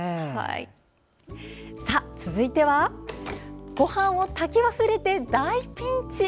さあ、続いてはごはんを炊き忘れて大ピンチ！